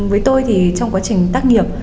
với tôi thì trong quá trình tác nghiệp